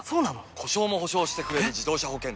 故障も補償してくれる自動車保険といえば？